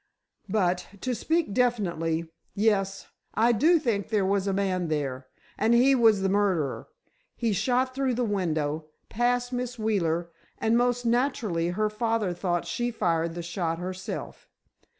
But, to speak definitely—yes, I do think there was a man there, and he was the murderer. He shot through the window, past Miss Wheeler, and most naturally, her father thought she fired the shot herself.